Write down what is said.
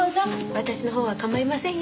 私のほうは構いませんよ。